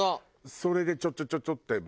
それでちょちょちょってこう。